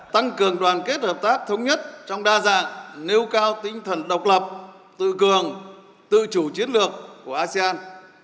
tăng cường đoàn kết hợp tác thống nhất trong đa dạng nêu cao tinh thần độc lập tự cường tự chủ chiến lược của asean